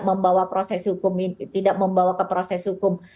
membawa proses hukum